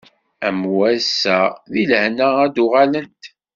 Am wass-a di lehna ad d-uɣalent.